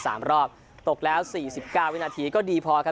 สามรอบตกแล้วสี่สิบเก้าวินาทีก็ดีพอครับ